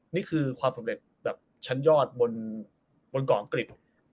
นี่คือความสำเร็จแบบชั้นยอดบนเกาะอังกฤษ